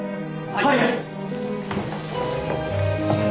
はい！